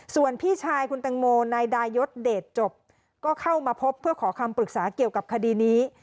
ส่วนพี่ชายคุณตังโมนายดายศเดชจบก็เข้ามาพบเพื่อขอคำปรึกษาเกี่ยวกับคดีนี้